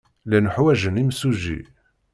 Llan ḥwajen imsujji.